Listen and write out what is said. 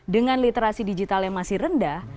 dengan literasi digital yang masih rendah